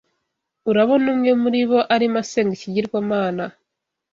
Urabona umwe muri bo arimo asenga ikigirwamana